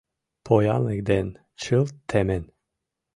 Поянлык ден чылт темен.